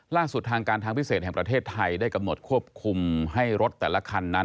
ล่าสุดทางการทางพิเศษแห่งประเทศไทยได้กำหนดควบคุมให้รถแต่ละคันนั้น